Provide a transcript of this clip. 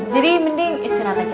jadi mending istirahat aja